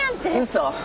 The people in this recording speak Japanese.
嘘！